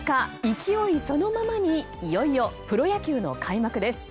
勢いそのままにいよいよプロ野球の開幕です。